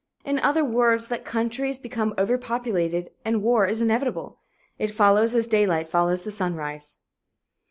In other words, let countries become overpopulated and war is inevitable. It follows as daylight follows the sunrise.